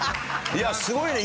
いやすごいね。